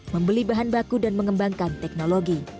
membeli bahan baku dan mengembangkan teknologi